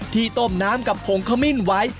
ที่ต้มน้ำกับผงขมิ้นไว้